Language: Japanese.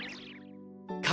か